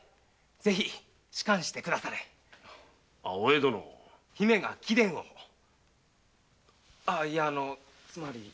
ぜひ仕官してくだされ姫が貴殿をあのいやつまり。